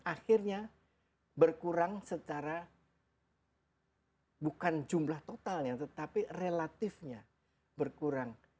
akhirnya berkurang secara bukan jumlah totalnya tetapi relatifnya berkurang